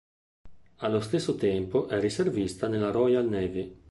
Allo stesso tempo è riservista nella Royal Navy.